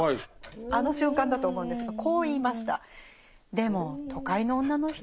あの瞬間だと思うんですがこう言いました。